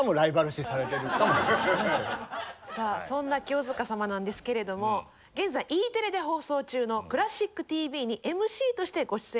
さあそんな清塚様なんですけれども現在Ｅテレで放送中の「クラシックＴＶ」にＭＣとしてご出演されているということで。